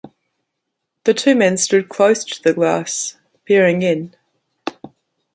The two men stood close to the glass, peering in.